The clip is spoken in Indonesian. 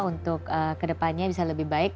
untuk kedepannya bisa lebih baik